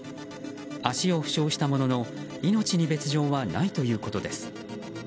脚を負傷したものの命に別条はないということです。